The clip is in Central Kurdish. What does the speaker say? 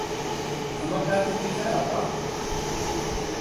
ئەمە کاتێکی خراپە؟